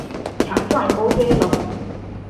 强壮沟椎龙。